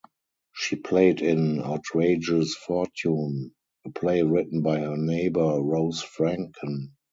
She played in "Outrageous Fortune", a play written by her neighbor Rose Franken.